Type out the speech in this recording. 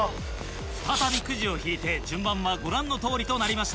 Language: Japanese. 再びくじを引いて順番はご覧のとおりとなりました。